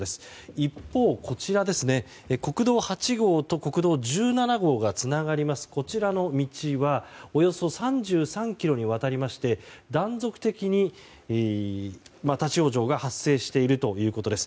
一方、国道８号と国道１７号がつながります道はおよそ３３ｋｍにわたりまして断続的に立ち往生が発生しているということです。